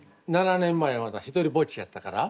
７年前まだ独りぼっちやったから。